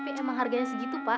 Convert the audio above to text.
tapi emang harganya segitu pak